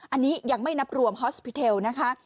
อันนี้ยังไม่นับรวมฮอสพิเทลนะคะ